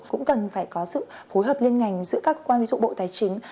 cũng cần phải có sự phối hợp liên ngành giữa các quan viên dụng bộ tài chính